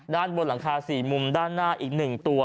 ด้านบนหลังคา๔มุมด้านหน้าอีก๑ตัว